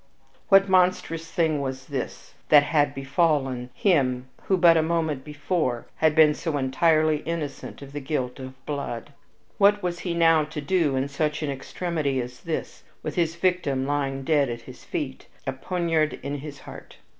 What monstrous thing was this that had befallen him who, but a moment before, had been so entirely innocent of the guilt of blood? What was he now to do in such an extremity as this, with his victim lying dead at his feet, a poniard in his heart?